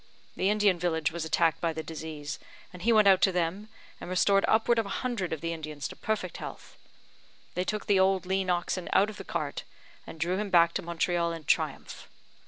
The Indian village was attacked by the disease, and he went out to them, and restored upward of a hundred of the Indians to perfect health. They took the old lean oxen out of the cart, and drew him back to Montreal in triumph.